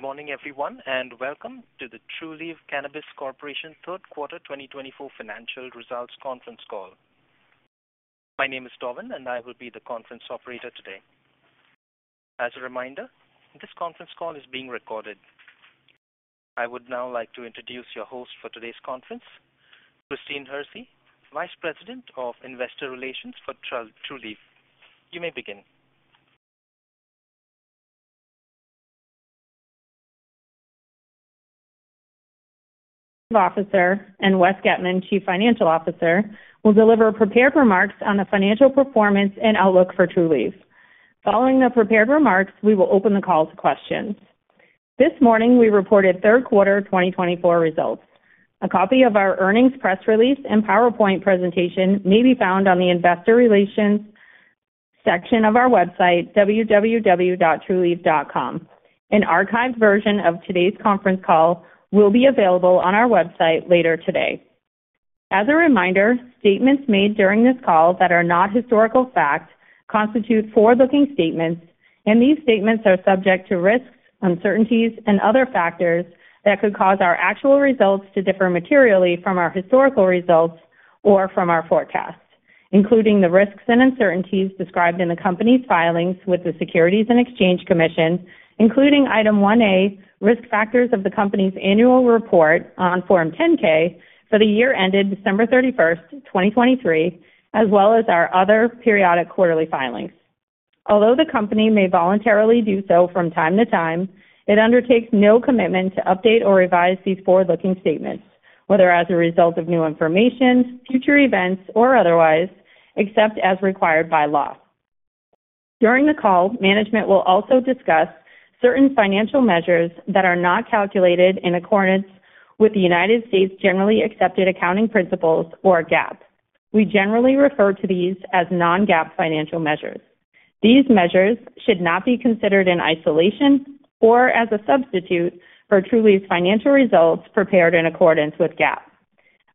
Good morning, everyone, and welcome to the Trulieve Cannabis Corporation Third Quarter 2024 Financial Results Conference Call. My name is Donovan, and I will be the conference operator today. As a reminder, this conference call is being recorded. I would now like to introduce your host for today's conference, Christine Hersey, Vice President of Investor Relations for Trulieve. You may begin. Chief Executive Officer, and Wes Getman, Chief Financial Officer, will deliver prepared remarks on the financial performance and outlook for Trulieve. Following the prepared remarks, we will open the call to questions. This morning, we reported Third Quarter 2024 results. A copy of our earnings press release and PowerPoint presentation may be found on the Investor Relations section of our website, www.trulieve.com. An archived version of today's conference call will be available on our website later today. As a reminder, statements made during this call that are not historical fact constitute forward-looking statements, and these statements are subject to risks, uncertainties, and other factors that could cause our actual results to differ materially from our historical results or from our forecast, including the risks and uncertainties described in the company's filings with the Securities and Exchange Commission, including Item 1A, risk factors of the company's annual report on Form 10-K for the year ended December 31st, 2023, as well as our other periodic quarterly filings. Although the company may voluntarily do so from time to time, it undertakes no commitment to update or revise these forward-looking statements, whether as a result of new information, future events, or otherwise, except as required by law. During the call, management will also discuss certain financial measures that are not calculated in accordance with the United States Generally Accepted Accounting Principles, or GAAP. We generally refer to these as non-GAAP financial measures. These measures should not be considered in isolation or as a substitute for Trulieve's financial results prepared in accordance with GAAP.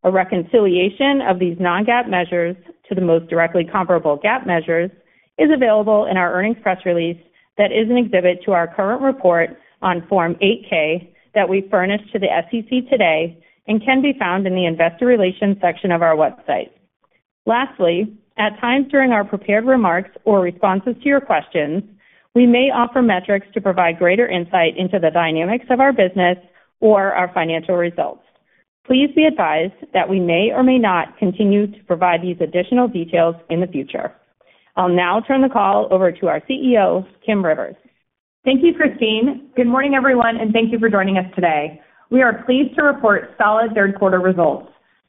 A reconciliation of these non-GAAP measures to the most directly comparable GAAP measures is available in our earnings press release that is an exhibit to our current report on Form 8-K that we furnished to the SEC today and can be found in the Investor Relations section of our website. Lastly, at times during our prepared remarks or responses to your questions, we may offer metrics to provide greater insight into the dynamics of our business or our financial results. Please be advised that we may or may not continue to provide these additional details in the future. I'll now turn the call over to our CEO, Kim Rivers. Thank you, Christine. Good morning, everyone, and thank you for joining us today. We are pleased to report solid Third Quarter results.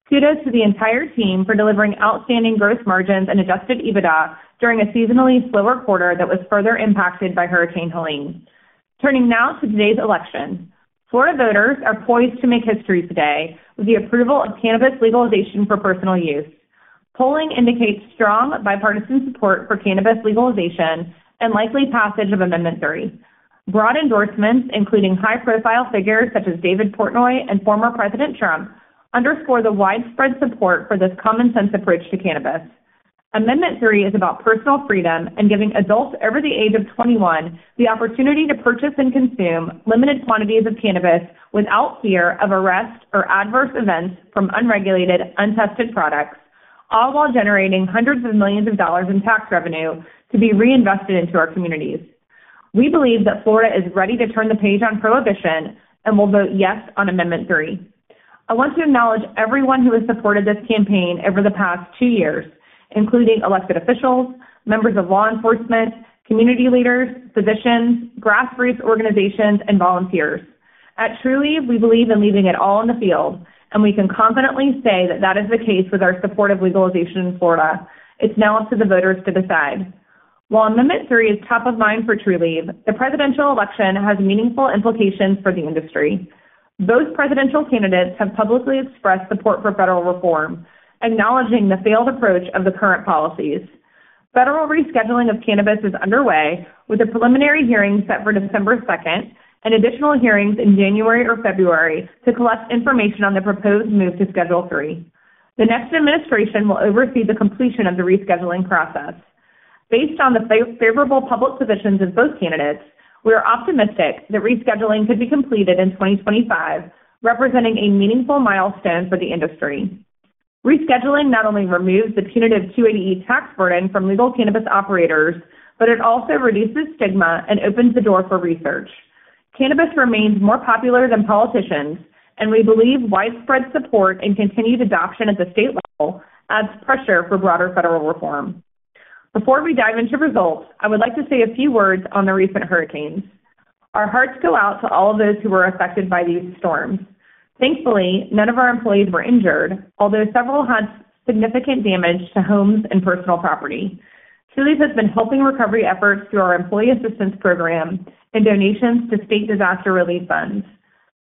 Kudos to the entire team for delivering outstanding gross margins and adjusted EBITDA during a seasonally slower quarter that was further impacted by Hurricane Helene. Turning now to today's election, Florida voters are poised to make history today with the approval of cannabis legalization for personal use. Polling indicates strong bipartisan support for cannabis legalization and likely passage of Amendment 3. Broad endorsements, including high-profile figures such as Dave Portnoy and former President Trump, underscore the widespread support for this common-sense approach to cannabis. Amendment 3 is about personal freedom and giving adults over the age of 21 the opportunity to purchase and consume limited quantities of cannabis without fear of arrest or adverse events from unregulated, untested products, all while generating hundreds of millions of dollars in tax revenue to be reinvested into our communities. We believe that Florida is ready to turn the page on prohibition and will vote yes on Amendment 3. I want to acknowledge everyone who has supported this campaign over the past two years, including elected officials, members of law enforcement, community leaders, physicians, grassroots organizations, and volunteers. At Trulieve, we believe in leaving it all in the field, and we can confidently say that that is the case with our support of legalization in Florida. It's now up to the voters to decide. While Amendment 3 is top of mind for Trulieve, the presidential election has meaningful implications for the industry. Both presidential candidates have publicly expressed support for federal reform, acknowledging the failed approach of the current policies. Federal rescheduling of cannabis is underway, with a preliminary hearing set for December 2nd and additional hearings in January or February to collect information on the proposed move to Schedule III. The next administration will oversee the completion of the rescheduling process. Based on the favorable public positions of both candidates, we are optimistic that rescheduling could be completed in 2025, representing a meaningful milestone for the industry. Rescheduling not only removes the punitive 280E tax burden from legal cannabis operators, but it also reduces stigma and opens the door for research. Cannabis remains more popular than politicians, and we believe widespread support and continued adoption at the state level adds pressure for broader federal reform. Before we dive into results, I would like to say a few words on the recent hurricanes. Our hearts go out to all of those who were affected by these storms. Thankfully, none of our employees were injured, although several had significant damage to homes and personal property. Trulieve has been helping recovery efforts through our employee assistance program and donations to state disaster relief funds.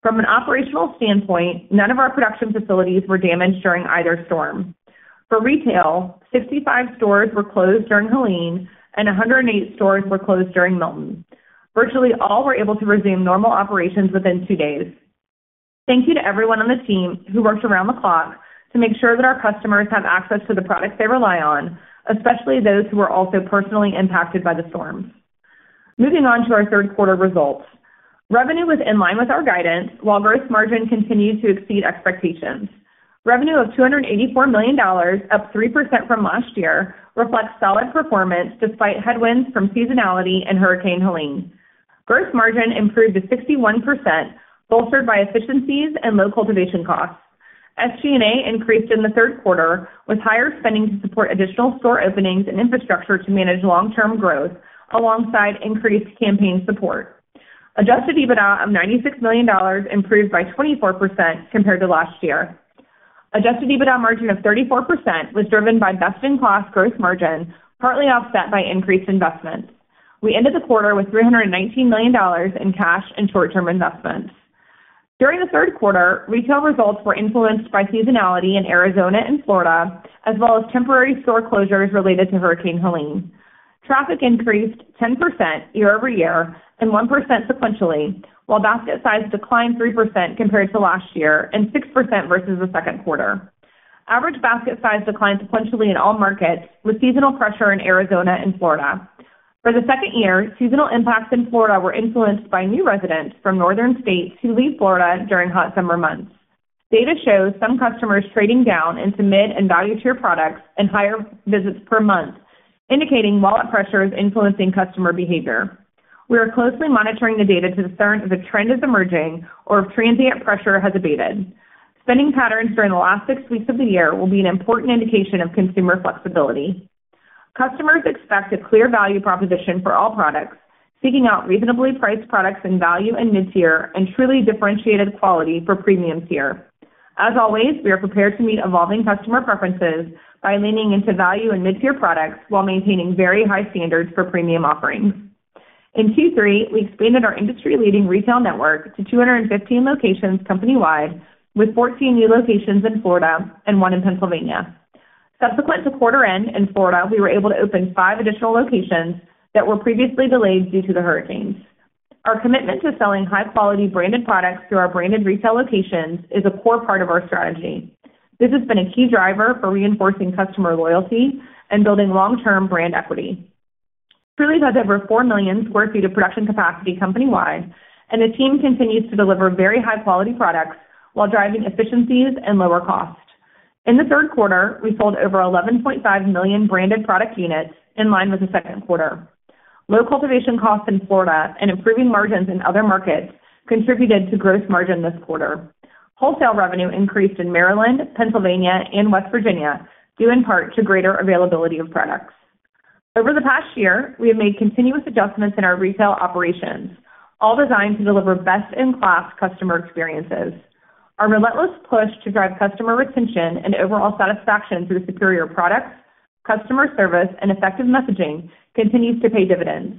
From an operational standpoint, none of our production facilities were damaged during either storm. For retail, 65 stores were closed during Helene, and 108 stores were closed during Milton. Virtually all were able to resume normal operations within two days. Thank you to everyone on the team who worked around the clock to make sure that our customers have access to the products they rely on, especially those who were also personally impacted by the storms. Moving on to our Third Quarter results, revenue was in line with our guidance while gross margin continued to exceed expectations. Revenue of $284 million, up 3% from last year, reflects solid performance despite headwinds from seasonality and Hurricane Helene. Gross margin improved to 61%, bolstered by efficiencies and low cultivation costs. SG&A increased in the Third Quarter with higher spending to support additional store openings and infrastructure to manage long-term growth, alongside increased campaign support. Adjusted EBITDA of $96 million improved by 24% compared to last year. Adjusted EBITDA margin of 34% was driven by best-in-class gross margin, partly offset by increased investment. We ended the quarter with $319 million in cash and short-term investments. During the Third Quarter, retail results were influenced by seasonality in Arizona and Florida, as well as temporary store closures related to Hurricane Helene. Traffic increased 10% year over year and 1% sequentially, while basket size declined 3% compared to last year and 6% versus the second quarter. Average basket size declined sequentially in all markets with seasonal pressure in Arizona and Florida. For the second year, seasonal impacts in Florida were influenced by new residents from northern states who leave Florida during hot summer months. Data shows some customers trading down into mid and value-tier products and higher visits per month, indicating wallet pressures influencing customer behavior. We are closely monitoring the data to discern if a trend is emerging or if transient pressure has abated. Spending patterns during the last six weeks of the year will be an important indication of consumer flexibility. Customers expect a clear value proposition for all products, seeking out reasonably priced products in value and mid-tier and truly differentiated quality for premium tier. As always, we are prepared to meet evolving customer preferences by leaning into value and mid-tier products while maintaining very high standards for premium offerings. In Q3, we expanded our industry-leading retail network to 215 locations company-wide, with 14 new locations in Florida and one in Pennsylvania. Subsequent to quarter-end in Florida, we were able to open five additional locations that were previously delayed due to the hurricanes. Our commitment to selling high-quality branded products through our branded retail locations is a core part of our strategy. This has been a key driver for reinforcing customer loyalty and building long-term brand equity. Trulieve has over 4 million sq ft of production capacity company-wide, and the team continues to deliver very high-quality products while driving efficiencies and lower cost. In the Third Quarter, we sold over 11.5 million branded product units in line with the Second Quarter. Low cultivation costs in Florida and improving margins in other markets contributed to gross margin this quarter. Wholesale revenue increased in Maryland, Pennsylvania, and West Virginia due in part to greater availability of products. Over the past year, we have made continuous adjustments in our retail operations, all designed to deliver best-in-class customer experiences. Our relentless push to drive customer retention and overall satisfaction through superior products, customer service, and effective messaging continues to pay dividends.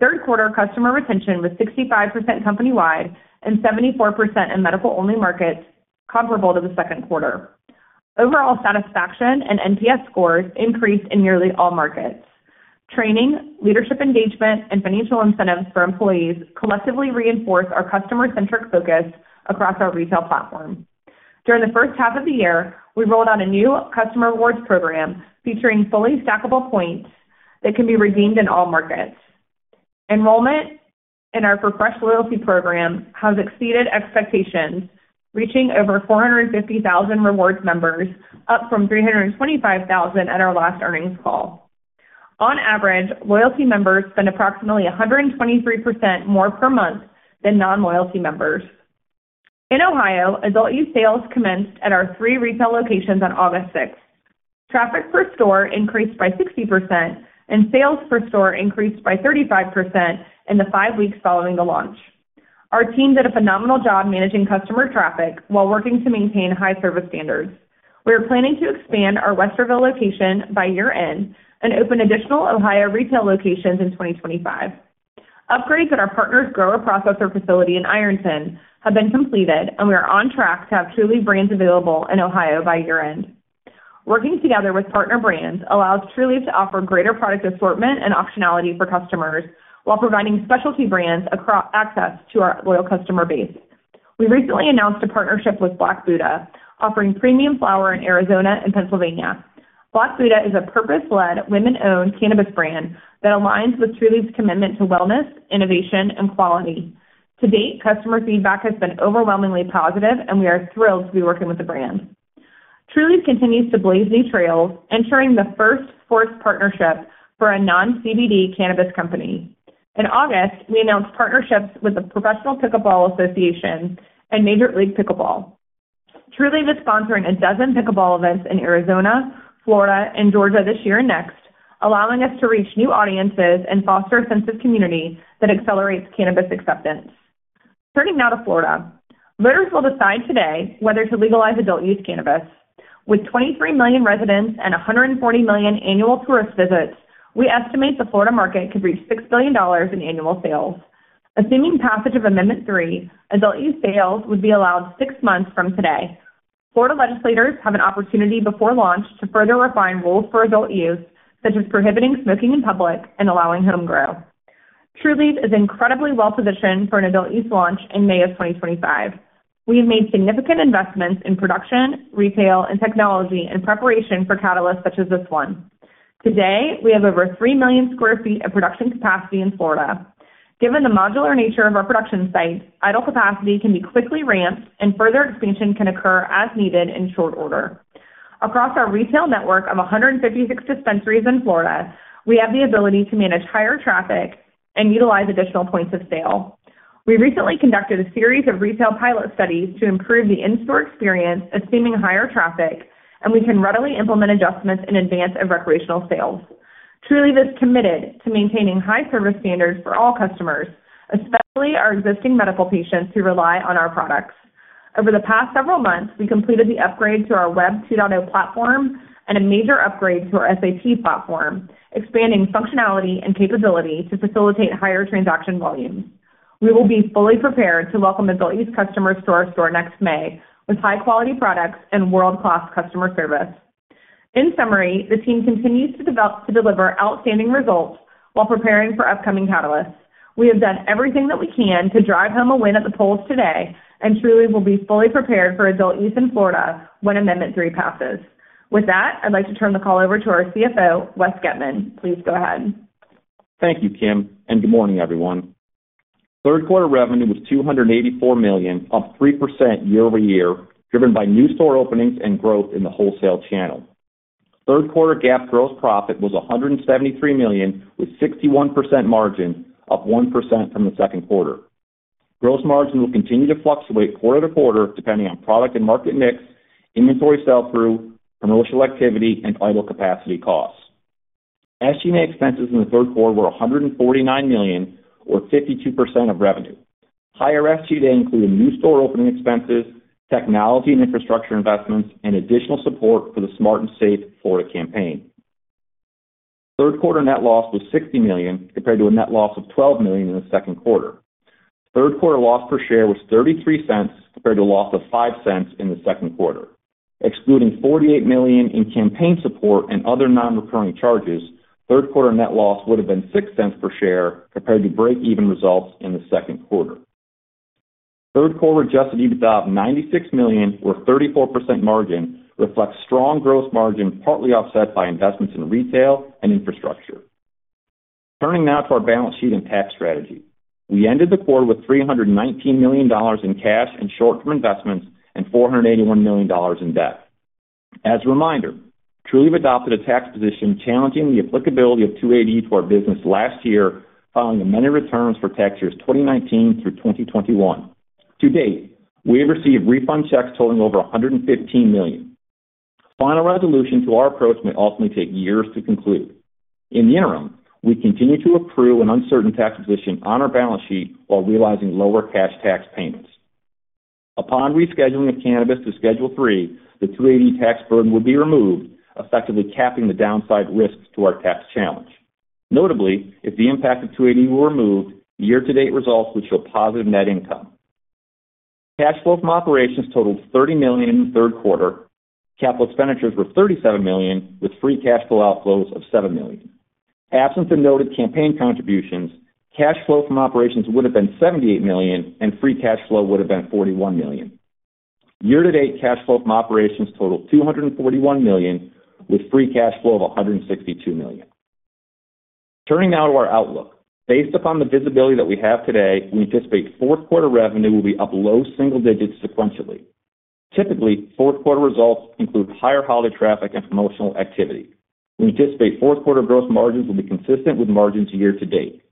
Third Quarter customer retention was 65% company-wide and 74% in medical-only markets, comparable to the Second Quarter. Overall satisfaction and NPS scores increased in nearly all markets. Training, leadership engagement, and financial incentives for employees collectively reinforce our customer-centric focus across our retail platform. During the first half of the year, we rolled out a new customer rewards program featuring fully stackable points that can be redeemed in all markets. Enrollment in our fresh loyalty program has exceeded expectations, reaching over 450,000 rewards members, up from 325,000 at our last earnings call. On average, loyalty members spend approximately 123% more per month than non-loyalty members. In Ohio, adult use sales commenced at our three retail locations on August 6th. Traffic per store increased by 60%, and sales per store increased by 35% in the five weeks following the launch. Our team did a phenomenal job managing customer traffic while working to maintain high service standards. We are planning to expand our Westerville location by year-end and open additional Ohio retail locations in 2025. Upgrades at our partner's grower-processor facility in Ironton have been completed, and we are on track to have Trulieve brands available in Ohio by year-end. Working together with partner brands allows Trulieve to offer greater product assortment and optionality for customers while providing specialty brands access to our loyal customer base. We recently announced a partnership with Black Buddha, offering premium flower in Arizona and Pennsylvania. Black Buddha is a purpose-led, women-owned cannabis brand that aligns with Trulieve's commitment to wellness, innovation, and quality. To date, customer feedback has been overwhelmingly positive, and we are thrilled to be working with the brand. Trulieve continues to blaze new trails, ensuring the first formal partnership for a non-CBD cannabis company. In August, we announced partnerships with the Professional Pickleball Association and Major League Pickleball. Trulieve is sponsoring a dozen pickleball events in Arizona, Florida, and Georgia this year and next, allowing us to reach new audiences and foster a sense of community that accelerates cannabis acceptance. Turning now to Florida, voters will decide today whether to legalize adult use cannabis. With 23 million residents and 140 million annual tourist visits, we estimate the Florida market could reach $6 billion in annual sales. Assuming passage of Amendment 3, adult use sales would be allowed six months from today. Florida legislators have an opportunity before launch to further refine rules for adult use, such as prohibiting smoking in public and allowing home grow. Trulieve is incredibly well-positioned for an adult use launch in May of 2025. We have made significant investments in production, retail, and technology in preparation for catalysts such as this one. Today, we have over 3 million sq ft of production capacity in Florida. Given the modular nature of our production site, idle capacity can be quickly ramped, and further expansion can occur as needed in short order. Across our retail network of 156 dispensaries in Florida, we have the ability to manage higher traffic and utilize additional points of sale. We recently conducted a series of retail pilot studies to improve the in-store experience, assuming higher traffic, and we can readily implement adjustments in advance of recreational sales. Trulieve is committed to maintaining high service standards for all customers, especially our existing medical patients who rely on our products. Over the past several months, we completed the upgrade to our Web 2.0 platform and a major upgrade to our SAP platform, expanding functionality and capability to facilitate higher transaction volumes. We will be fully prepared to welcome adult use customers to our store next May with high-quality products and world-class customer service. In summary, the team continues to develop to deliver outstanding results while preparing for upcoming catalysts. We have done everything that we can to drive home a win at the polls today, and Trulieve will be fully prepared for adult use in Florida when Amendment 3 passes. With that, I'd like to turn the call over to our CFO, Wes Getman. Please go ahead. Thank you, Kim, and good morning, everyone. Third Quarter revenue was $284 million, up 3% year-over-year, driven by new store openings and growth in the wholesale channel. Third Quarter GAAP gross profit was $173 million, with 61% margin, up 1% from the Second Quarter. Gross margin will continue to fluctuate quarter to quarter depending on product and market mix, inventory sell-through, commercial activity, and idle capacity costs. SG&A expenses in the Third Quarter were $149 million, or 52% of revenue. Higher SG&A included new store opening expenses, technology and infrastructure investments, and additional support for the Smart and Safe Florida campaign. Third Quarter net loss was $60 million compared to a net loss of $12 million in the Second Quarter. Third Quarter loss per share was $0.33 compared to a loss of $0.05 in the Second Quarter. Excluding $48 million in campaign support and other non-recurring charges, Third Quarter net loss would have been $0.06 per share compared to break-even results in the Second Quarter. Third Quarter Adjusted EBITDA of $96 million, or 34% margin, reflects strong gross margin partly offset by investments in retail and infrastructure. Turning now to our balance sheet and tax strategy. We ended the quarter with $319 million in cash and short-term investments and $481 million in debt. As a reminder, Trulieve adopted a tax position challenging the applicability of 280E to our business last year, filing amended returns for tax years 2019 through 2021. To date, we have received refund checks totaling over $115 million. Final resolution to our approach may ultimately take years to conclude. In the interim, we continue to accrue an uncertain tax position on our balance sheet while realizing lower cash tax payments. Upon rescheduling of cannabis to Schedule III, the 280E tax burden will be removed, effectively capping the downside risks to our tax challenge. Notably, if the impact of 280E were removed, year-to-date results would show positive net income. Cash flow from operations totaled $30 million in the third quarter. Capital expenditures were $37 million, with free cash flow outflows of $7 million. Absent the noted campaign contributions, cash flow from operations would have been $78 million, and free cash flow would have been $41 million. Year-to-date cash flow from operations totaled $241 million, with free cash flow of $162 million. Turning now to our outlook. Based upon the visibility that we have today, we anticipate Fourth Quarter revenue will be up low single digits sequentially. Typically, Fourth Quarter results include higher holiday traffic and promotional activity. We anticipate Fourth Quarter gross margins will be consistent with margins year-to-date.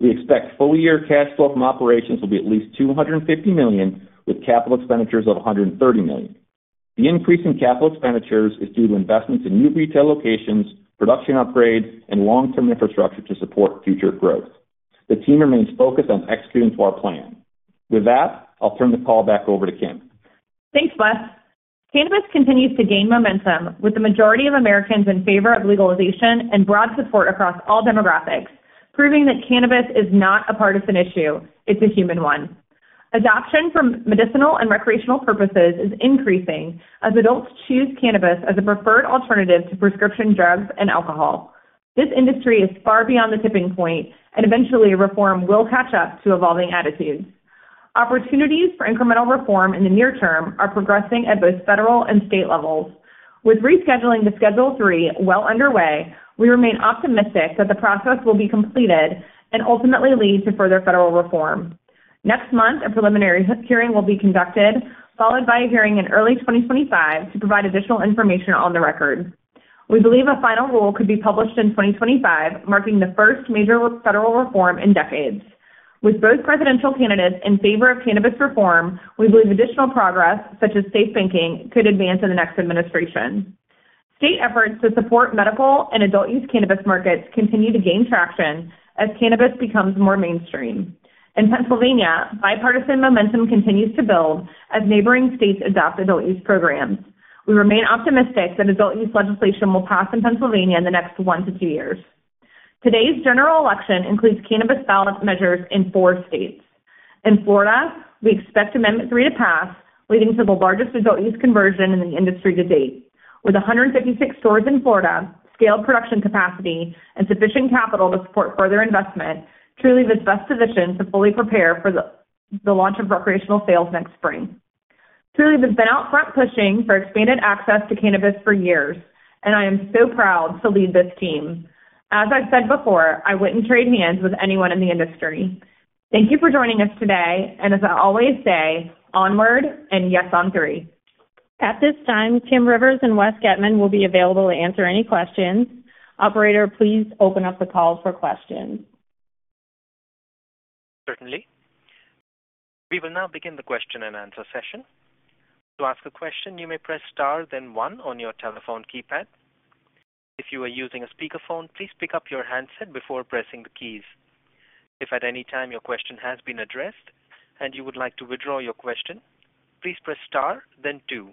We expect full-year cash flow from operations will be at least $250 million, with capital expenditures of $130 million. The increase in capital expenditures is due to investments in new retail locations, production upgrades, and long-term infrastructure to support future growth. The team remains focused on executing to our plan. With that, I'll turn the call back over to Kim. Thanks, Wes. Cannabis continues to gain momentum, with the majority of Americans in favor of legalization and broad support across all demographics, proving that cannabis is not a partisan issue. It's a human one. Adoption for medicinal and recreational purposes is increasing as adults choose cannabis as a preferred alternative to prescription drugs and alcohol. This industry is far beyond the tipping point, and eventually, reform will catch up to evolving attitudes. Opportunities for incremental reform in the near term are progressing at both federal and state levels. With rescheduling to Schedule III well underway, we remain optimistic that the process will be completed and ultimately lead to further federal reform. Next month, a preliminary hearing will be conducted, followed by a hearing in early 2025 to provide additional information on the record. We believe a final rule could be published in 2025, marking the first major federal reform in decades. With both presidential candidates in favor of cannabis reform, we believe additional progress, such as safe banking, could advance in the next administration. State efforts to support medical and adult use cannabis markets continue to gain traction as cannabis becomes more mainstream. In Pennsylvania, bipartisan momentum continues to build as neighboring states adopt adult use programs. We remain optimistic that adult use legislation will pass in Pennsylvania in the next one to two years. Today's general election includes cannabis ballot measures in four states. In Florida, we expect Amendment 3 to pass, leading to the largest adult use conversion in the industry to date. With 156 stores in Florida, scaled production capacity, and sufficient capital to support further investment, Trulieve is best positioned to fully prepare for the launch of recreational sales next spring. Trulieve has been out front pushing for expanded access to cannabis for years, and I am so proud to lead this team. As I've said before, I wouldn't trade hands with anyone in the industry. Thank you for joining us today, and as I always say, onward and Yes on 3. At this time, Kim Rivers and Wes Getman will be available to answer any questions. Operator, please open up the call for questions. Certainly. We will now begin the question and answer session. To ask a question, you may press Star, then 1 on your telephone keypad. If you are using a speakerphone, please pick up your handset before pressing the keys. If at any time your question has been addressed and you would like to withdraw your question, please press Star, then 2.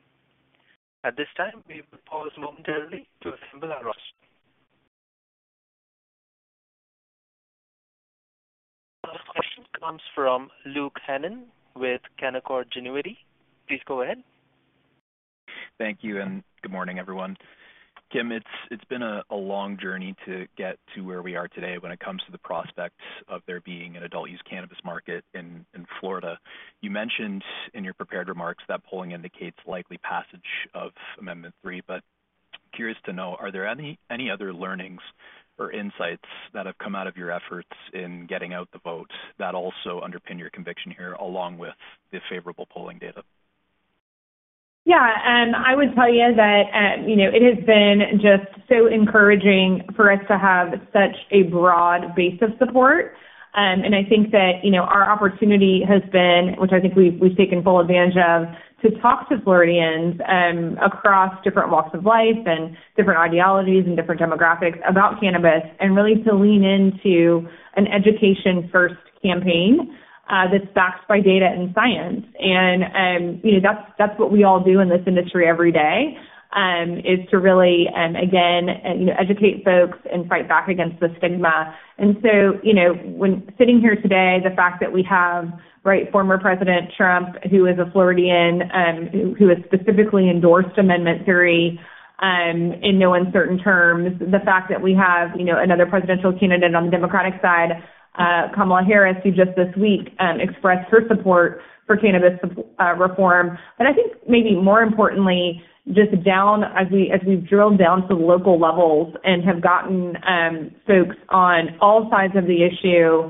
At this time, we will pause momentarily to assemble our audience. Last question comes from Luke Hannan with Canaccord Genuity. Please go ahead. Thank you, and good morning, everyone. Kim, it's been a long journey to get to where we are today when it comes to the prospects of there being an adult use cannabis market in Florida. You mentioned in your prepared remarks that polling indicates likely passage of Amendment 3, but curious to know, are there any other learnings or insights that have come out of your efforts in getting out the vote that also underpin your conviction here, along with the favorable polling data? Yeah, and I would tell you that it has been just so encouraging for us to have such a broad base of support. And I think that our opportunity has been, which I think we've taken full advantage of, to talk to Floridians across different walks of life and different ideologies and different demographics about cannabis and really to lean into an education-first campaign that's backed by data and science. And that's what we all do in this industry every day, is to really, again, educate folks and fight back against the stigma. And so when sitting here today, the fact that we have former President Trump, who is a Floridian who has specifically endorsed Amendment 3 in no uncertain terms, the fact that we have another presidential candidate on the Democratic side, Kamala Harris, who just this week expressed her support for cannabis reform, and I think maybe more importantly, just as we've drilled down to local levels and have gotten folks on all sides of the issue,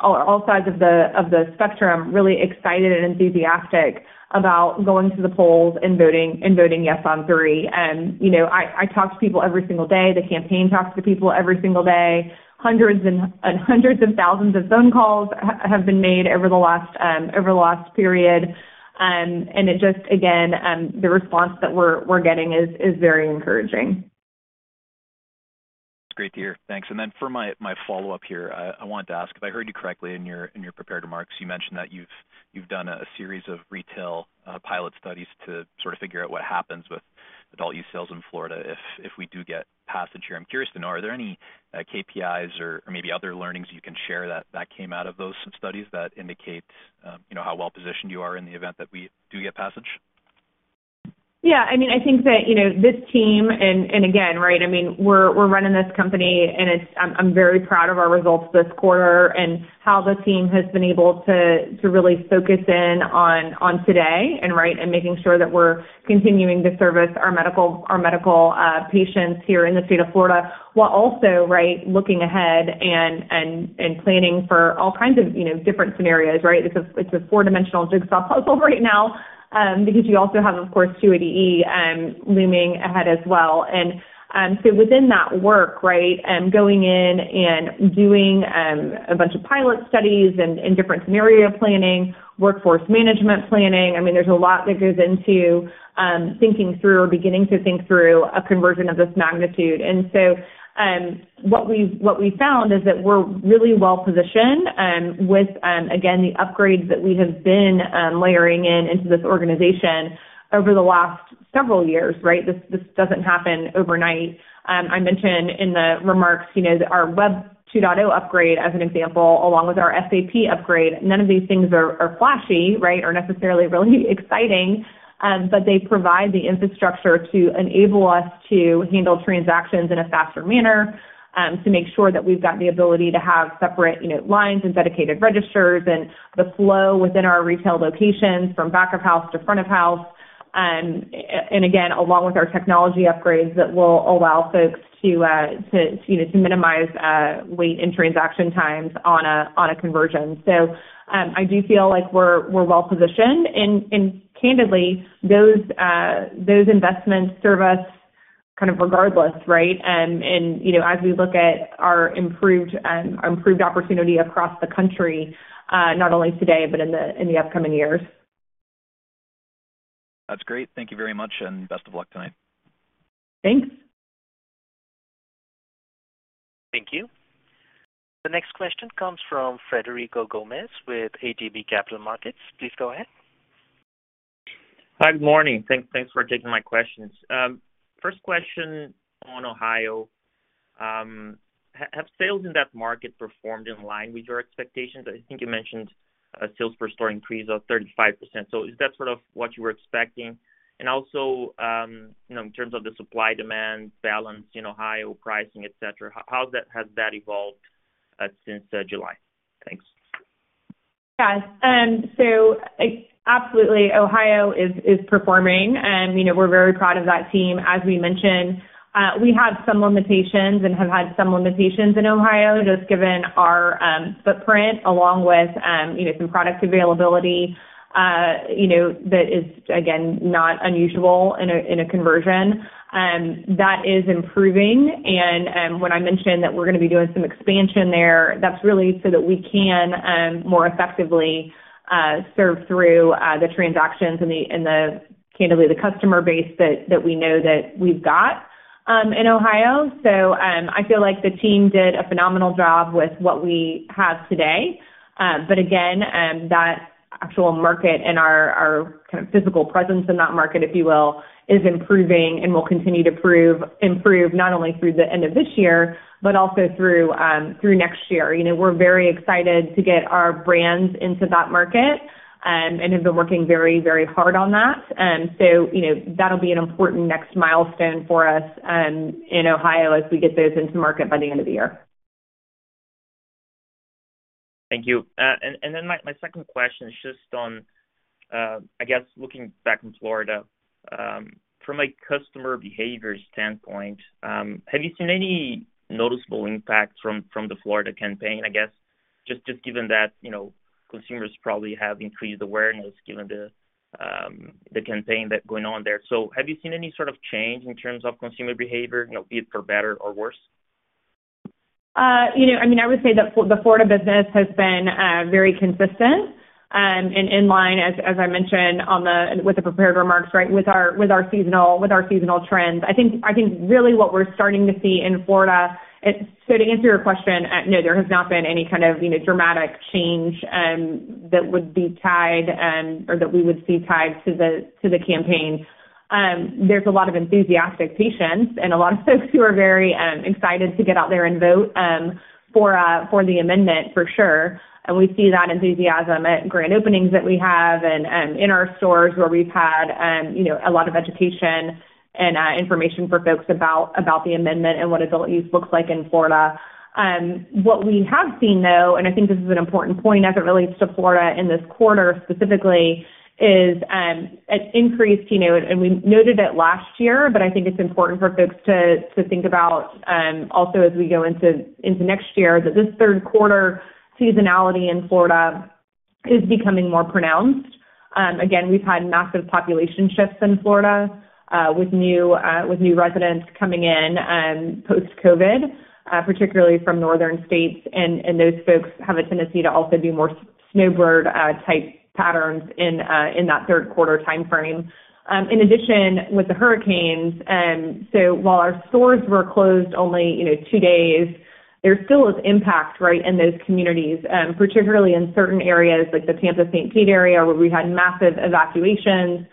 all sides of the spectrum, really excited and enthusiastic about going to the polls and voting yes on three. I talk to people every single day. The campaign talks to people every single day. Hundreds and hundreds of thousands of phone calls have been made over the last period. And it just, again, the response that we're getting is very encouraging. That's great to hear. Thanks. And then for my follow-up here, I wanted to ask, if I heard you correctly in your prepared remarks, you mentioned that you've done a series of retail pilot studies to sort of figure out what happens with adult-use sales in Florida if we do get passage here. I'm curious to know, are there any KPIs or maybe other learnings you can share that came out of those studies that indicate how well-positioned you are in the event that we do get passage? Yeah. I mean, I think that this team and again, right, I mean, we're running this company, and I'm very proud of our results this quarter and how the team has been able to really focus in on today and making sure that we're continuing to service our medical patients here in the state of Florida while also looking ahead and planning for all kinds of different scenarios. Right? It's a four-dimensional jigsaw puzzle right now because you also have, of course, 280E looming ahead as well, and so within that work, right, going in and doing a bunch of pilot studies and different scenario planning, workforce management planning, I mean, there's a lot that goes into thinking through or beginning to think through a conversion of this magnitude. And so what we found is that we're really well-positioned with, again, the upgrades that we have been layering into this organization over the last several years. Right? This doesn't happen overnight. I mentioned in the remarks that our Web 2.0 upgrade, as an example, along with our SAP upgrade, none of these things are flashy, right, or necessarily really exciting, but they provide the infrastructure to enable us to handle transactions in a faster manner, to make sure that we've got the ability to have separate lines and dedicated registers and the flow within our retail locations from back of house to front of house, and again, along with our technology upgrades that will allow folks to minimize wait and transaction times on a conversion. So I do feel like we're well-positioned. And candidly, those investments serve us kind of regardless, right, as we look at our improved opportunity across the country, not only today but in the upcoming years. That's great. Thank you very much, and best of luck tonight. Thanks. Thank you. The next question comes from Frederico Gomes with ATB Capital Markets. Please go ahead. Hi, good morning. Thanks for taking my questions. First question on Ohio. Have sales in that market performed in line with your expectations? I think you mentioned a sales per store increase of 35%. So is that sort of what you were expecting? And also, in terms of the supply-demand balance in Ohio, pricing, etc., how has that evolved since July? Thanks. Yeah. So absolutely, Ohio is performing. We're very proud of that team. As we mentioned, we have some limitations and have had some limitations in Ohio just given our footprint, along with some product availability that is, again, not unusual in a conversion. That is improving, and when I mentioned that we're going to be doing some expansion there, that's really so that we can more effectively serve through the transactions and, candidly, the customer base that we know that we've got in Ohio, so I feel like the team did a phenomenal job with what we have today, but again, that actual market and our kind of physical presence in that market, if you will, is improving and will continue to improve not only through the end of this year but also through next year. We're very excited to get our brands into that market and have been working very, very hard on that. So that'll be an important next milestone for us in Ohio as we get those into market by the end of the year. Thank you. And then my second question is just on, I guess, looking back in Florida. From a customer behavior standpoint, have you seen any noticeable impact from the Florida campaign, I guess, just given that consumers probably have increased awareness given the campaign that's going on there? So have you seen any sort of change in terms of consumer behavior, be it for better or worse? I mean, I would say that the Florida business has been very consistent and in line, as I mentioned, with the prepared remarks, right, with our seasonal trends. I think really what we're starting to see in Florida so to answer your question, no, there has not been any kind of dramatic change that would be tied or that we would see tied to the campaign. There's a lot of enthusiastic patience and a lot of folks who are very excited to get out there and vote for the amendment, for sure, and we see that enthusiasm at grand openings that we have and in our stores where we've had a lot of education and information for folks about the amendment and what adult use looks like in Florida. What we have seen, though, and I think this is an important point as it relates to Florida in this quarter specifically, is an increase, and we noted it last year, but I think it's important for folks to think about also as we go into next year that this third quarter seasonality in Florida is becoming more pronounced. Again, we've had massive population shifts in Florida with new residents coming in post-COVID, particularly from northern states, and those folks have a tendency to also do more snowbird-type patterns in that third quarter timeframe. In addition, with the hurricanes, so while our stores were closed only two days, there's still this impact, right, in those communities, particularly in certain areas like the Tampa-St. Pete area where we had massive evacuations,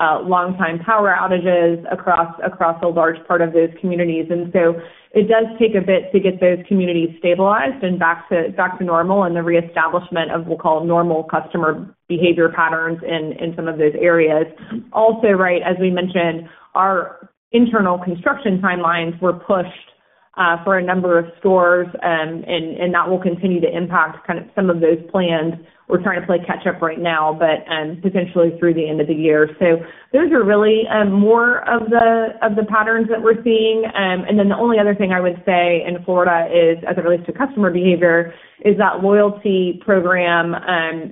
long-time power outages across a large part of those communities. And so it does take a bit to get those communities stabilized and back to normal and the reestablishment of, we'll call, normal customer behavior patterns in some of those areas. Also, right, as we mentioned, our internal construction timelines were pushed for a number of stores, and that will continue to impact kind of some of those plans. We're trying to play catch-up right now, but potentially through the end of the year. So those are really more of the patterns that we're seeing. And then the only other thing I would say in Florida is, as it relates to customer behavior, is that loyalty program.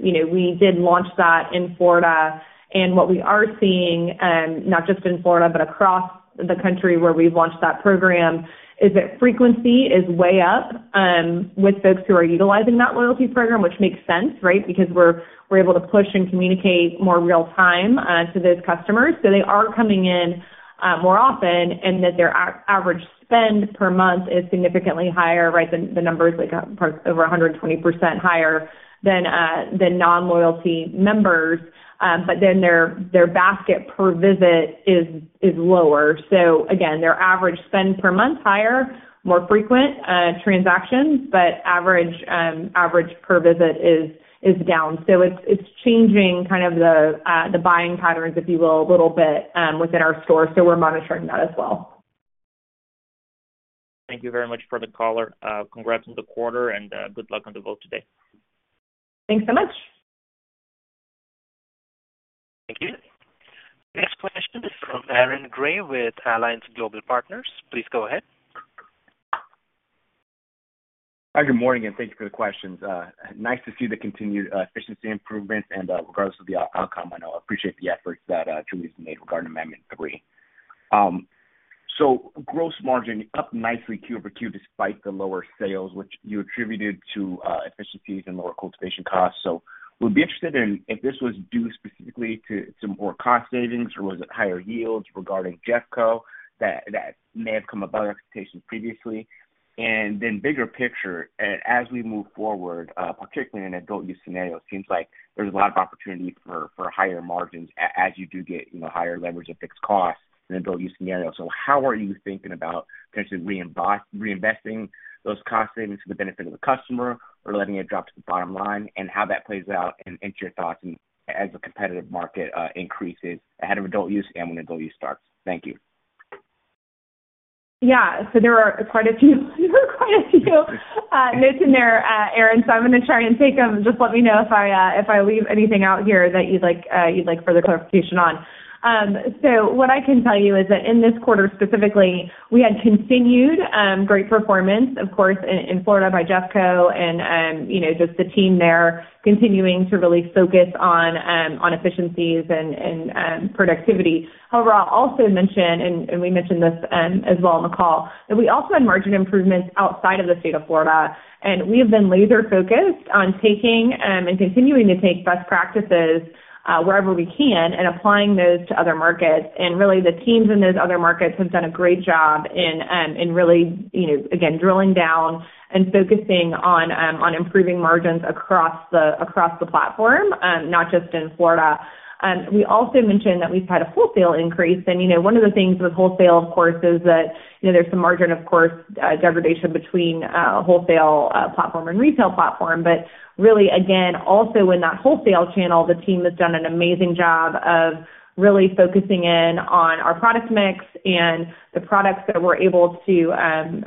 We did launch that in Florida, and what we are seeing, not just in Florida but across the country where we've launched that program, is that frequency is way up with folks who are utilizing that loyalty program, which makes sense, right, because we're able to push and communicate more real-time to those customers. So they are coming in more often and that their average spend per month is significantly higher, right, the numbers like over 120% higher than non-loyalty members, but then their basket per visit is lower. So again, their average spend per month higher, more frequent transactions, but average per visit is down. So it's changing kind of the buying patterns, if you will, a little bit within our store. So we're monitoring that as well. Thank you very much for the caller. Congrats on the quarter, and good luck on the vote today. Thanks so much. Thank you. Next question is from Aaron Gray with Alliance Global Partners. Please go ahead. Hi, good morning, and thank you for the questions. Nice to see the continued efficiency improvements, and regardless of the outcome, I know I appreciate the efforts that Trulieve's made regarding Amendment 3. So gross margin up nicely Q over Q despite the lower sales, which you attributed to efficiencies and lower cultivation costs. So we'd be interested in if this was due specifically to more cost savings or was it higher yields regarding JeffCo, that may have come above expectations previously. And then bigger picture, as we move forward, particularly in adult use scenarios, it seems like there's a lot of opportunity for higher margins as you do get higher leverage of fixed costs in adult use scenarios. So how are you thinking about potentially reinvesting those cost savings to the benefit of the customer or letting it drop to the bottom line and how that plays out and your thoughts as the competitive market increases ahead of adult use and when adult use starts? Thank you. Yeah. So there are quite a few notes in there, Aaron. So I'm going to try and take them. Just let me know if I leave anything out here that you'd like further clarification on. So what I can tell you is that in this quarter specifically, we had continued great performance, of course, in Florida by JeffCo and just the team there continuing to really focus on efficiencies and productivity. However, I'll also mention, and we mentioned this as well on the call, that we also had margin improvements outside of the state of Florida. We have been laser-focused on taking and continuing to take best practices wherever we can and applying those to other markets. Really, the teams in those other markets have done a great job in really, again, drilling down and focusing on improving margins across the platform, not just in Florida. We also mentioned that we've had a wholesale increase. One of the things with wholesale, of course, is that there's some margin, of course, degradation between wholesale platform and retail platform. But really, again, also in that wholesale channel, the team has done an amazing job of really focusing in on our product mix and the products that we're able to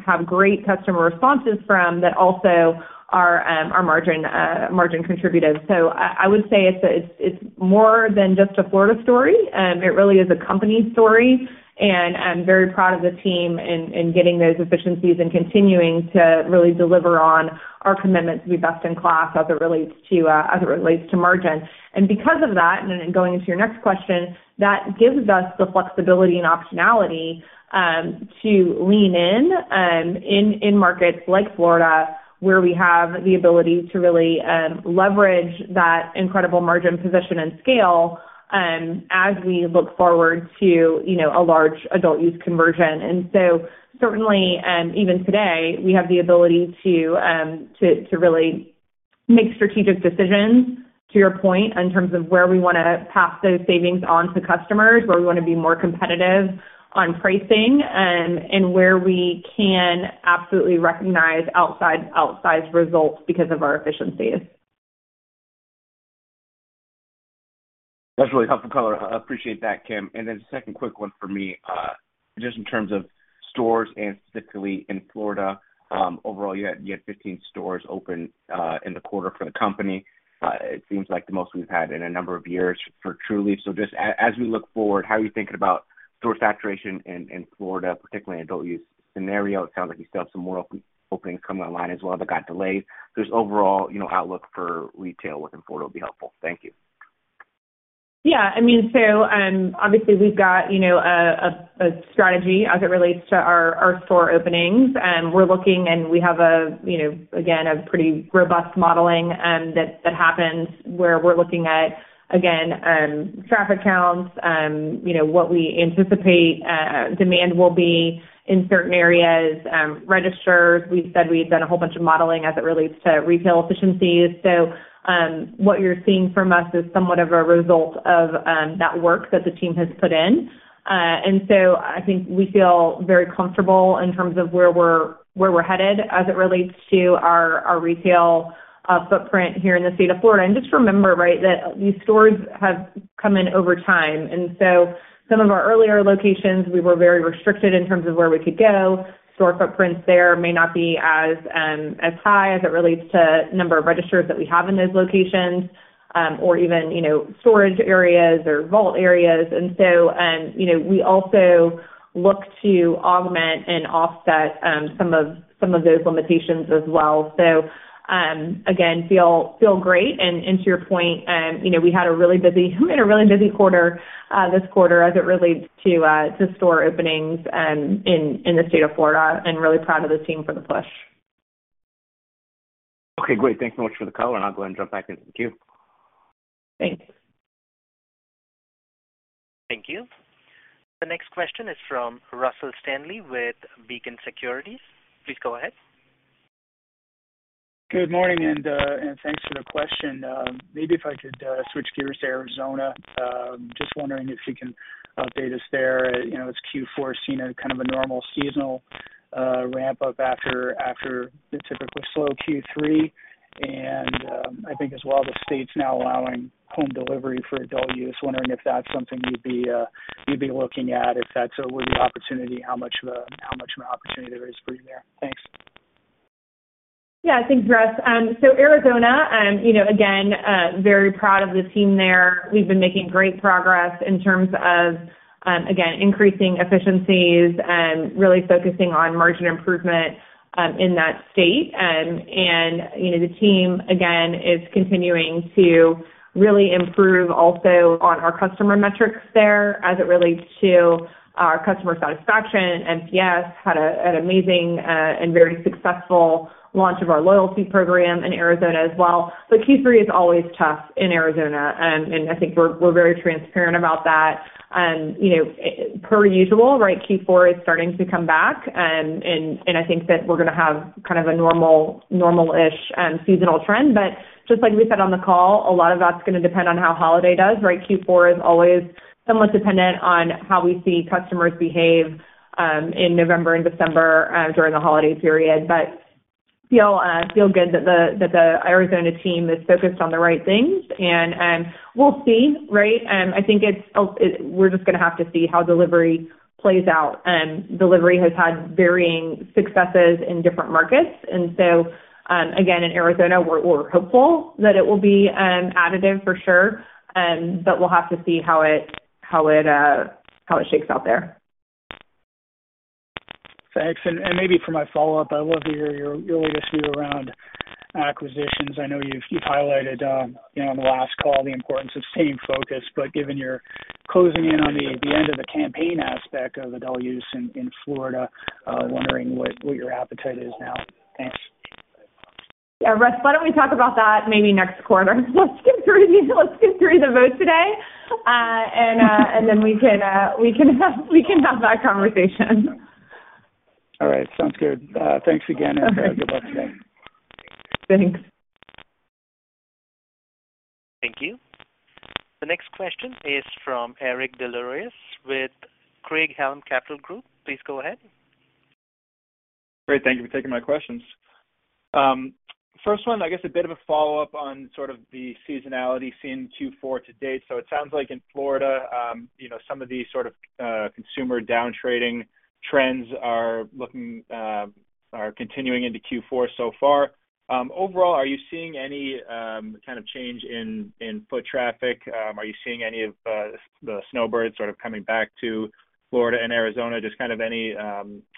have great customer responses from that also are margin contributive. So I would say it's more than just a Florida story. It really is a company story. I'm very proud of the team in getting those efficiencies and continuing to really deliver on our commitment to be best in class as it relates to margin. Because of that, and going into your next question, that gives us the flexibility and optionality to lean in in markets like Florida where we have the ability to really leverage that incredible margin position and scale as we look forward to a large adult use conversion. Certainly, even today, we have the ability to really make strategic decisions, to your point, in terms of where we want to pass those savings on to customers, where we want to be more competitive on pricing, and where we can absolutely recognize outsized results because of our efficiencies. That's really helpful, color. I appreciate that, Kim. And then a second quick one for me, just in terms of stores and specifically in Florida. Overall, you had 15 stores open in the quarter for the company. It seems like the most we've had in a number of years for Trulieve. So just as we look forward, how are you thinking about store saturation in Florida, particularly in adult use scenario? It sounds like you still have some more openings coming online as well that got delayed. Just overall outlook for retail within Florida would be helpful. Thank you. Yeah. I mean, so obviously, we've got a strategy as it relates to our store openings. We're looking, and we have, again, a pretty robust modeling that happens where we're looking at, again, traffic counts, what we anticipate demand will be in certain areas, registers. We said we had done a whole bunch of modeling as it relates to retail efficiencies, so what you're seeing from us is somewhat of a result of that work that the team has put in, and so I think we feel very comfortable in terms of where we're headed as it relates to our retail footprint here in the state of Florida, and just remember, right, that these stores have come in over time, and so some of our earlier locations, we were very restricted in terms of where we could go. Store footprints there may not be as high as it relates to the number of registers that we have in those locations or even storage areas or vault areas, and so we also look to augment and offset some of those limitations as well, so again, feel great. And to your point, we had a really busy quarter this quarter as it relates to store openings in the state of Florida and really proud of the team for the push. Okay. Great. Thanks so much for the call, and I'll go ahead and jump back into the queue. Thanks. Thank you. The next question is from Russell Stanley with Beacon Securities. Please go ahead. Good morning, and thanks for the question. Maybe if I could switch gears to Arizona. Just wondering if you can update us there. It's Q4 seeing kind of a normal seasonal ramp-up after the typically slow Q3. And I think as well the state's now allowing home delivery for adult use. Wondering if that's something you'd be looking at. If that's a worthy opportunity, how much of an opportunity there is for you there. Thanks. Yeah. Thanks, Russ. So, Arizona, again, very proud of the team there. We've been making great progress in terms of, again, increasing efficiencies and really focusing on margin improvement in that state. And the team, again, is continuing to really improve also on our customer metrics there as it relates to our customer satisfaction and NPS. Had an amazing and very successful launch of our loyalty program in Arizona as well. But Q3 is always tough in Arizona, and I think we're very transparent about that. Per usual, right. Q4 is starting to come back, and I think that we're going to have kind of a normal-ish seasonal trend. But just like we said on the call, a lot of that's going to depend on how holiday does, right. Q4 is always somewhat dependent on how we see customers behave in November and December during the holiday period. But feel good that the Arizona team is focused on the right things, and we'll see, right? I think we're just going to have to see how delivery plays out. Delivery has had varying successes in different markets. And so again, in Arizona, we're hopeful that it will be additive for sure, but we'll have to see how it shakes out there. Thanks. And maybe for my follow-up, I'd love to hear your latest view around acquisitions. I know you've highlighted on the last call the importance of staying focused, but given you're closing in on the end of the campaign aspect of adult use in Florida, wondering what your appetite is now. Thanks. Yeah. Russ, why don't we talk about that maybe next quarter? Let's get through the vote today, and then we can have that conversation. All right. Sounds good. Thanks again, and good luck today. Thanks. Thank you. The next question is from Eric Des Lauriers with Craig-Hallum Capital Group. Please go ahead. Great. Thank you for taking my questions. First 1, I guess a bit of a follow-up on sort of the seasonality seen in Q4 to date. So it sounds like in Florida, some of these sort of consumer downtrading trends are continuing into Q4 so far. Overall, are you seeing any kind of change in foot traffic? Are you seeing any of the snowbirds sort of coming back to Florida and Arizona? Just kind of any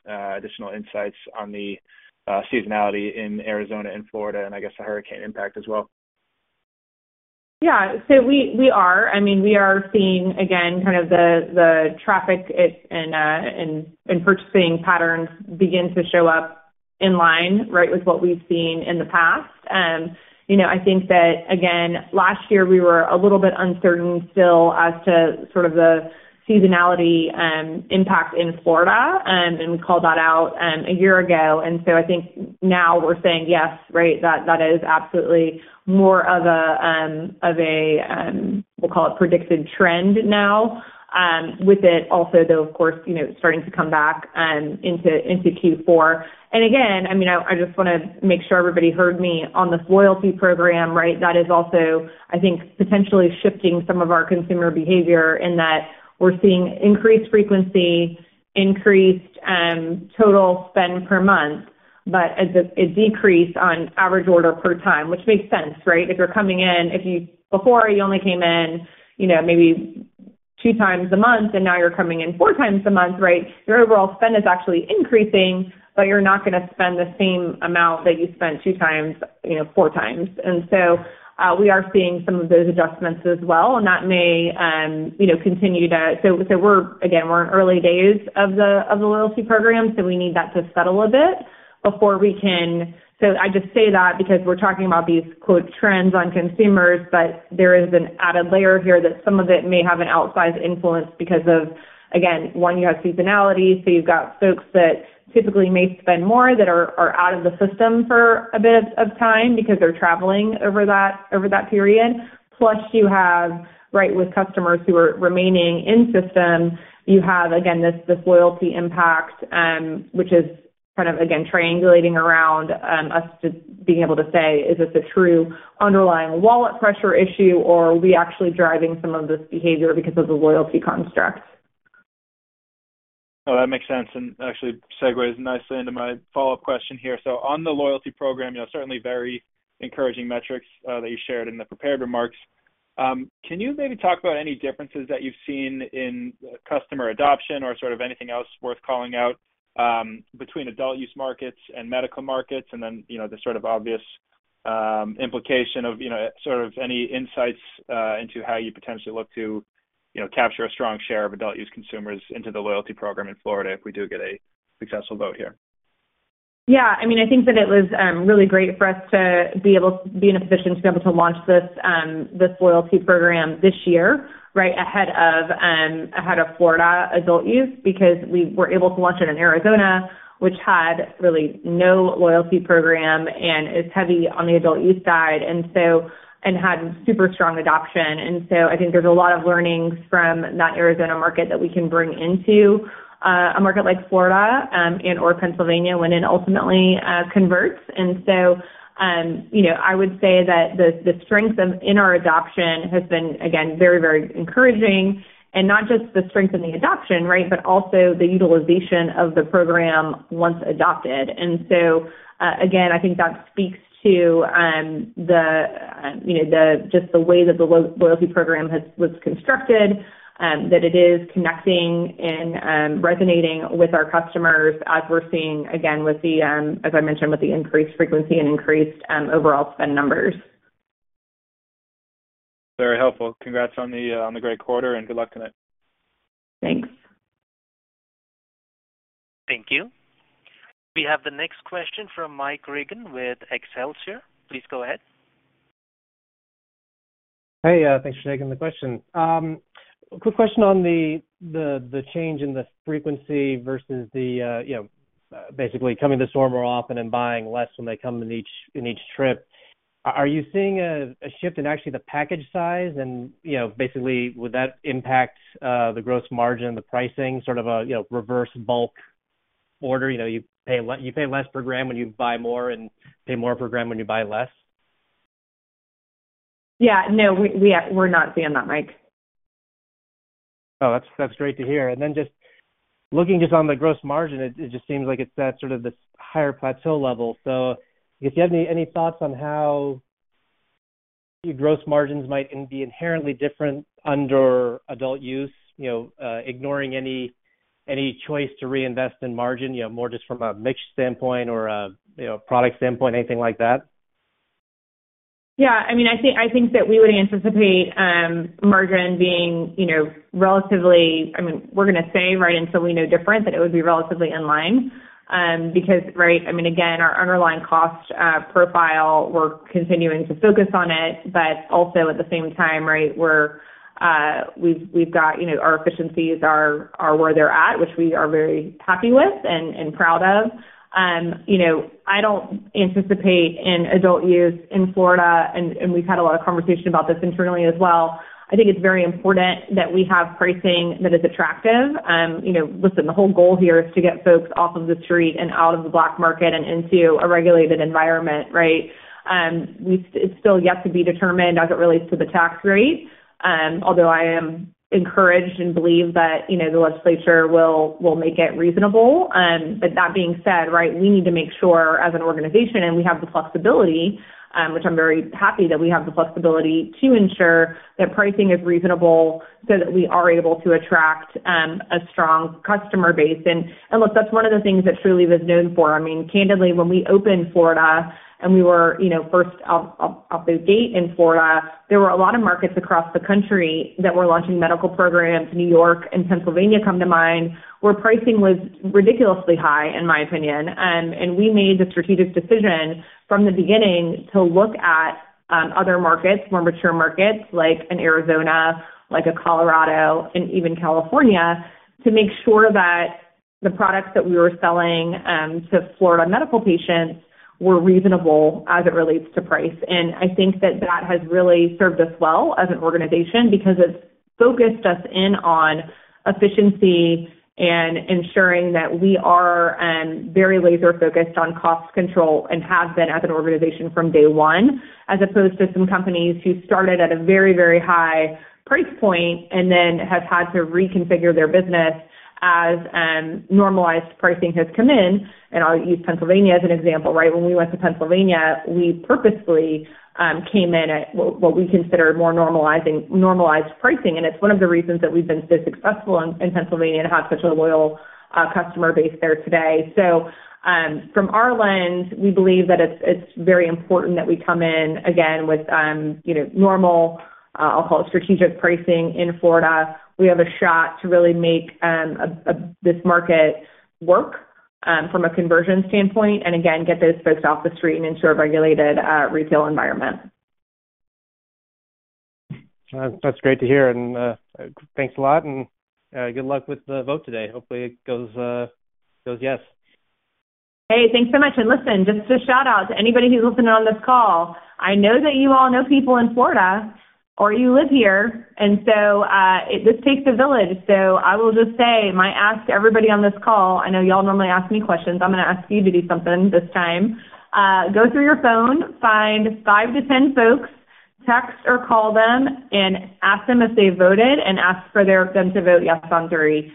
additional insights on the seasonality in Arizona and Florida and I guess the hurricane impact as well? Yeah. So we are. I mean, we are seeing, again, kind of the traffic and purchasing patterns begin to show up in line right with what we've seen in the past. I think that, again, last year, we were a little bit uncertain still as to sort of the seasonality impact in Florida, and we called that out a year ago, and so I think now we're saying yes, right? That is absolutely more of a, we'll call it, predicted trend now with it also, though, of course, starting to come back into Q4, and again, I mean, I just want to make sure everybody heard me on the loyalty program, right? That is also, I think, potentially shifting some of our consumer behavior in that we're seeing increased frequency, increased total spend per month, but a decrease on average order per time, which makes sense, right? If you're coming in, before you only came in maybe two times a month, and now you're coming in four times a month, right? Your overall spend is actually increasing, but you're not going to spend the same amount that you spent two times, four times, and so we are seeing some of those adjustments as well, and that may continue to, so again, we're in early days of the loyalty program, so we need that to settle a bit before we can, so I just say that because we're talking about these "trends on consumers," but there is an added layer here that some of it may have an outsized influence because of, again, one, you have seasonality, so you've got folks that typically may spend more that are out of the system for a bit of time because they're traveling over that period. Plus, you have, right, with customers who are remaining in system, you have, again, this loyalty impact, which is kind of, again, triangulating around us being able to say, "Is this a true underlying wallet pressure issue, or are we actually driving some of this behavior because of the loyalty construct?" Oh, that makes sense and actually segues nicely into my follow-up question here. So on the loyalty program, certainly very encouraging metrics that you shared in the prepared remarks. Can you maybe talk about any differences that you've seen in customer adoption or sort of anything else worth calling out between adult use markets and medical markets and then the sort of obvious implication of sort of any insights into how you potentially look to capture a strong share of adult use consumers into the loyalty program in Florida if we do get a successful vote here? Yeah. I mean, I think that it was really great for us to be in a position to be able to launch this loyalty program this year, right, ahead of Florida adult-use because we were able to launch it in Arizona, which had really no loyalty program and is heavy on the adult-use side and had super strong adoption. And so I think there's a lot of learnings from that Arizona market that we can bring into a market like Florida and/or Pennsylvania when it ultimately converts. And so I would say that the strength in our adoption has been, again, very, very encouraging, and not just the strength in the adoption, right, but also the utilization of the program once adopted. And so again, I think that speaks to just the way that the loyalty program was constructed, that it is connecting and resonating with our customers as we're seeing, again, as I mentioned, with the increased frequency and increased overall spend numbers. Very helpful. Congrats on the great quarter, and good luck tonight. Thanks. Thank you. We have the next question from Mike Regan with Excelsior. Please go ahead. Hey, thanks for taking the question. Quick question on the change in the frequency versus the basically coming to the store more often and buying less when they come in each trip. Are you seeing a shift in actually the package size? And basically, would that impact the gross margin, the pricing, sort of a reverse bulk order? You pay less per gram when you buy more and pay more per gram when you buy less? Yeah. No, we're not seeing that, Mike. Oh, that's great to hear. And then just looking just on the gross margin, it just seems like it's at sort of this higher plateau level. So if you have any thoughts on how your gross margins might be inherently different under adult use, ignoring any choice to reinvest in margin, more just from a mix standpoint or a product standpoint, anything like that? Yeah. I mean, I think that we would anticipate margin being relatively, I mean, we're going to say, right, until we know different, that it would be relatively in line because, right, I mean, again, our underlying cost profile, we're continuing to focus on it, but also at the same time, right, we've got our efficiencies are where they're at, which we are very happy with and proud of. I don't anticipate in adult use in Florida, and we've had a lot of conversation about this internally as well. I think it's very important that we have pricing that is attractive. Listen, the whole goal here is to get folks off of the street and out of the black market and into a regulated environment, right? It's still yet to be determined as it relates to the tax rate, although I am encouraged and believe that the legislature will make it reasonable. But that being said, right, we need to make sure as an organization, and we have the flexibility, which I'm very happy that we have the flexibility to ensure that pricing is reasonable so that we are able to attract a strong customer base. And look, that's one of the things that Trulieve is known for. I mean, candidly, when we opened Florida and we were first off the gate in Florida, there were a lot of markets across the country that were launching medical programs. New York and Pennsylvania come to mind where pricing was ridiculously high, in my opinion. And we made the strategic decision from the beginning to look at other markets, more mature markets like in Arizona, like Colorado, and even California to make sure that the products that we were selling to Florida medical patients were reasonable as it relates to price. I think that that has really served us well as an organization because it's focused us in on efficiency and ensuring that we are very laser-focused on cost control and have been as an organization from day one, as opposed to some companies who started at a very, very high price point and then have had to reconfigure their business as normalized pricing has come in. I'll use Pennsylvania as an example, right? When we went to Pennsylvania, we purposely came in at what we consider more normalized pricing. It's one of the reasons that we've been so successful in Pennsylvania to have such a loyal customer base there today. From our lens, we believe that it's very important that we come in, again, with normal, I'll call it, strategic pricing in Florida. We have a shot to really make this market work from a conversion standpoint and, again, get those folks off the street and into a regulated retail environment. That's great to hear. And thanks a lot, and good luck with the vote today. Hopefully, it goes yes. Hey, thanks so much. And listen, just a shout-out to anybody who's listening on this call. I know that you all know people in Florida or you live here. And so this takes a village. So I will just say my ask to everybody on this call, I know y'all normally ask me questions. I'm going to ask you to do something this time. Go through your phone, find five to 10 folks, text or call them, and ask them if they voted and ask for them to vote yes on three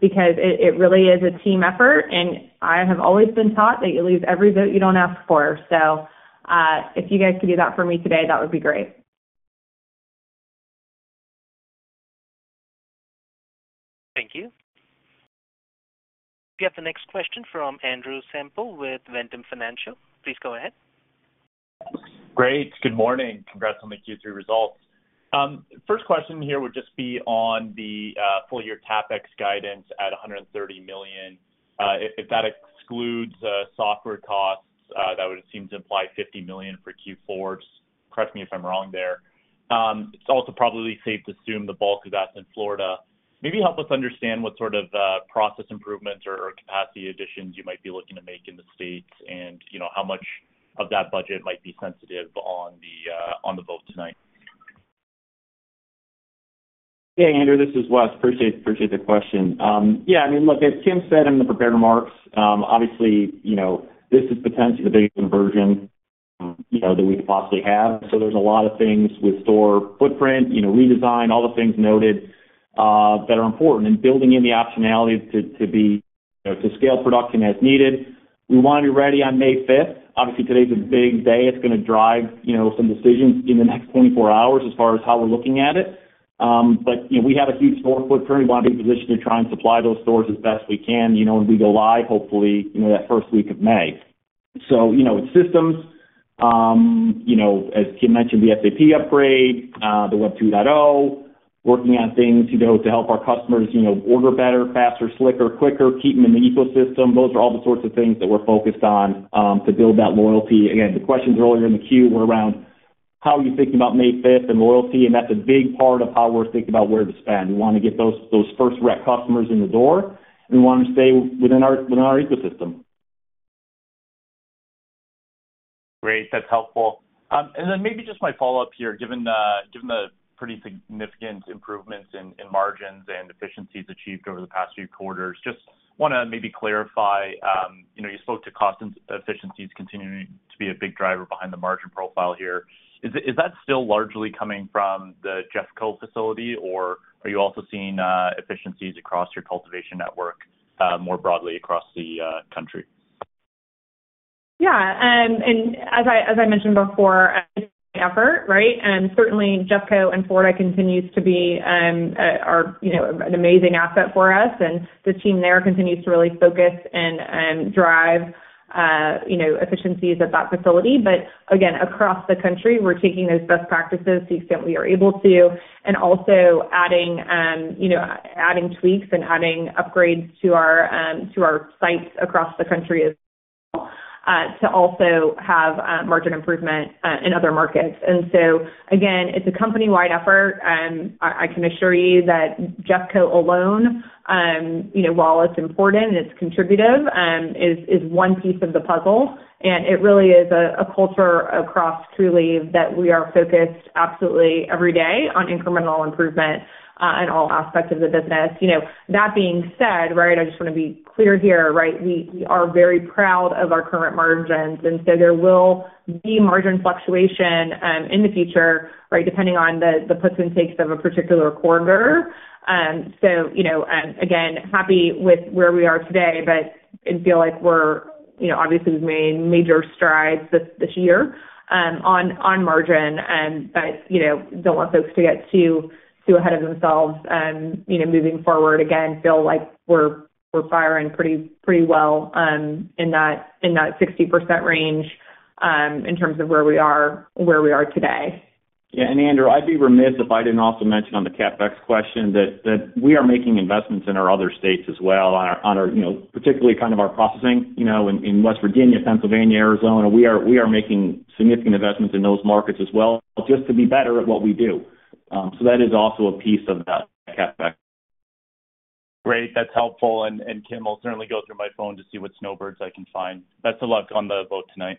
because it really is a team effort. And I have always been taught that you lose every vote you don't ask for. So if you guys could do that for me today, that would be great. Thank you. We have the next question from Andrew Semple with Ventum Financial. Please go ahead. Great. Good morning. Congrats on the Q3 results. First question here would just be on the full-year CapEx guidance at $130 million. If that excludes software costs, that would seem to imply $50 million for Q4. Correct me if I'm wrong there. It's also probably safe to assume the bulk of that's in Florida. Maybe help us understand what sort of process improvements or capacity additions you might be looking to make in the states and how much of that budget might be sensitive on the vote tonight. Hey, Andrew, this is Wes. Appreciate the question. Yeah. I mean, look, as Kim said in the prepared remarks, obviously, this is potentially the biggest conversion that we could possibly have. So there's a lot of things with store footprint, redesign, all the things noted that are important and building in the optionality to scale production as needed. We want to be ready on May 5th. Obviously, today's a big day. It's going to drive some decisions in the next 24 hours as far as how we're looking at it. But we have a huge store footprint. We want to be positioned to try and supply those stores as best we can when we go live, hopefully, that first week of May. So with systems, as Kim mentioned, the SAP upgrade, the Web 2.0, working on things to help our customers order better, faster, slicker, quicker, keep them in the ecosystem. Those are all the sorts of things that we're focused on to build that loyalty. Again, the questions earlier in the queue were around how are you thinking about May 5th and loyalty? And that's a big part of how we're thinking about where to spend. We want to get those first rec customers in the door, and we want them to stay within our ecosystem. Great. That's helpful. And then maybe just my follow-up here, given the pretty significant improvements in margins and efficiencies achieved over the past few quarters, just want to maybe clarify. You spoke to cost and efficiencies continuing to be a big driver behind the margin profile here. Is that still largely coming from the Jeffco facility, or are you also seeing efficiencies across your cultivation network more broadly across the country? Yeah. And as I mentioned before, effort, right? And certainly, JeffCo and Florida continues to be an amazing asset for us. And the team there continues to really focus and drive efficiencies at that facility. But again, across the country, we're taking those best practices to the extent we are able to and also adding tweaks and adding upgrades to our sites across the country as well to also have margin improvement in other markets. And so again, it's a company-wide effort. I can assure you that JeffCo alone, while it's important and it's contributive, is one piece of the puzzle. And it really is a culture across Trulieve that we are focused absolutely every day on incremental improvement in all aspects of the business. That being said, right, I just want to be clear here, right? We are very proud of our current margins. And so there will be margin fluctuation in the future, right, depending on the puts and takes of a particular quarter. So again, happy with where we are today, but I feel like we're obviously making major strides this year on margin, but don't want folks to get too ahead of themselves moving forward. Again, feel like we're firing pretty well in that 60% range in terms of where we are today. Yeah. And Andrew, I'd be remiss if I didn't also mention on the CapEx question that we are making investments in our other states as well, particularly kind of our processing in West Virginia, Pennsylvania, Arizona. We are making significant investments in those markets as well just to be better at what we do. So that is also a piece of that CapEx. Great. That's helpful. And Kim, I'll certainly go through my phone to see what snowbirds I can find. Best of luck on the vote tonight.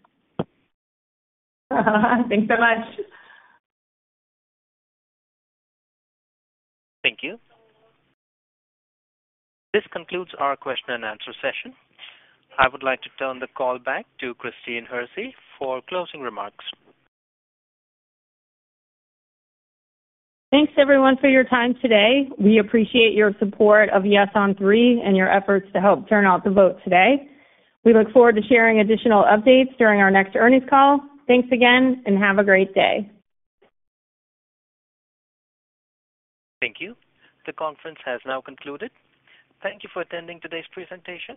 Thanks so much. Thank you. This concludes our question and answer session. I would like to turn the call back to Christine Hersey for closing remarks. Thanks, everyone, for your time today. We appreciate your support of Yes on Three and your efforts to help turn out the vote today. We look forward to sharing additional updates during our next earnings call. Thanks again, and have a great day. Thank you. The conference has now concluded. Thank you for attending today's presentation.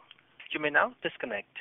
You may now disconnect.